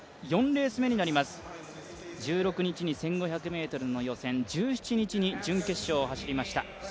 ４レース目になります、１６日に１５００ｍの予選、１７日に準決勝を走りました。